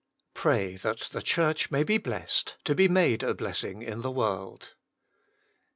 Pray that the Church may be blessed, to be made a blessing in the world.